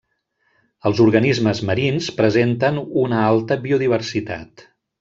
Els organismes marins presenten una alta biodiversitat.